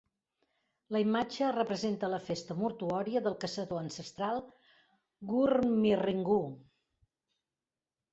La imatge representa la festa mortuòria del caçador ancestral Gurrmirringu.